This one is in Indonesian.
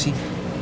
saya akan garansi